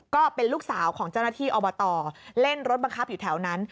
ก็เป็นลูกสาวของเจ้าหน้าที่อบตเล่นรถบังคับอยู่แถวนั้น